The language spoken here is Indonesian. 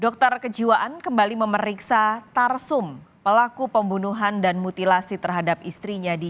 dokter kejiwaan kembali memeriksa tarsum pelaku pembunuhan dan mutilasi terhadap istrinya di